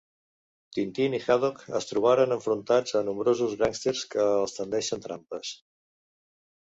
Tintin i Haddock es trobaran enfrontats a nombrosos gàngsters que els tendeixen trampes.